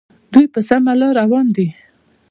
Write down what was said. دوی په سمه لار روان دي.